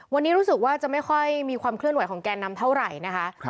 วันนี้รู้สึกว่าจะไม่ค่อยมีความเคลื่อนไหวของแกนนำเท่าไหร่นะคะ